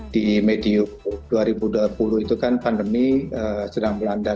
di medium dua ribu dua puluh itu kan pandemi sedang melanda